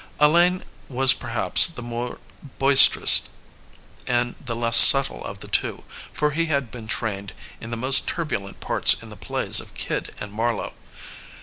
Alleyne was perhaps the more bois terous and the less subtle of the two, for he had been trained in the most turbulent parts in the plays of Kyd and Marlowe.